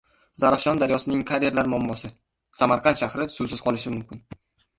Zarafshon daryosidagi karerlar muammosi: Samarqand shahri suvsiz qolishi mumkin